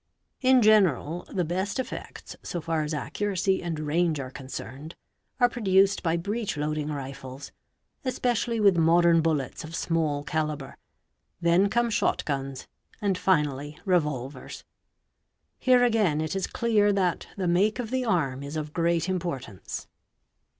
In general the — best effects so far as accuracy and range are concerned are produced by breech loading rifles, especially with modern bullets of small calibre; then come shot guns; and finally revolvers ®, Here again it is clear that the make of the arm is of great importance.